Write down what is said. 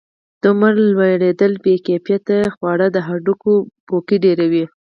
د عمر لوړېدل او بې کیفیته خواړه د هډوکو پوکي ډیروي.